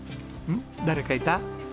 誰かいた？